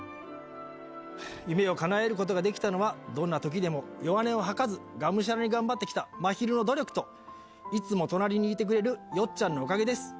夢をかなえることができたのは、どんなときでも弱音を吐かず、がむしゃらに頑張ってきたまひるの努力と、いつも隣にいてくれるよっちゃんのおかげです。